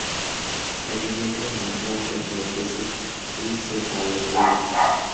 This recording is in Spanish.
Se alimentan de toda clase de peces y cefalópodos.